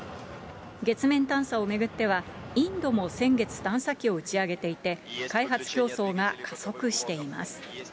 月面探査を巡っては、インドも先月、探査機を打ち上げていて、開発競争が加速しています。